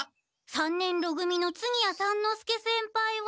三年ろ組の次屋三之助先輩は。